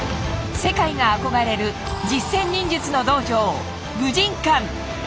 世界が憧れる実戦忍術の道場武神館。